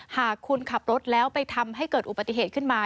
หากคุณขับรถแล้วไปทำให้เกิดอุบัติเหตุขึ้นมา